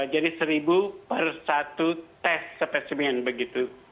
jadi seribu per satu tes spesimen begitu